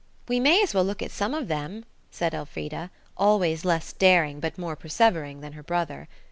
"We may as well look at some of them," said Elfrida, always less daring, but more persevering than her brother.